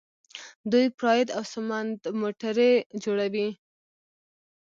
دوی پراید او سمند موټرې جوړوي.